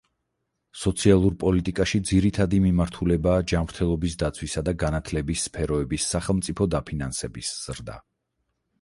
სოციალურ პოლიტიკაში ძირითდი მიმართულებაა ჯანმრთელობის დაცვისა და განათლების სფეროების სახელმწიფო დაფინანსების ზრდა.